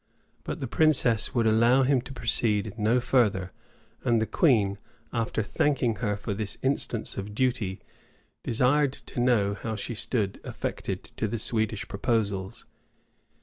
But the princess would allow him to proceed no further; and the queen, after thanking her for this instance of duty, desired to know how she stood affected to the Swedish proposals.